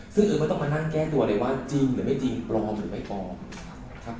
ซึ่งเออไม่ต้องมานั่งแก้ตัวเลยว่าจริงหรือไม่จริงปลอมหรือไม่ปลอมนะครับ